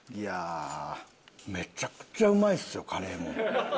めちゃくちゃうまいですよカレーも。